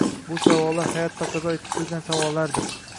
bu savollar hayot taqozo etib turgan savollardir.